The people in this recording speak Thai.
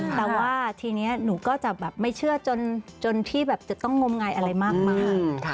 แต่ว่าทีนี้หนูก็จะแบบไม่เชื่อจนพี่แบบจะต้องงมงายอะไรมาก